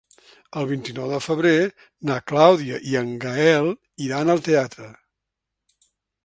El vint-i-nou de febrer na Clàudia i en Gaël iran al teatre.